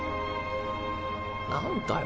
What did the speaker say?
何だよ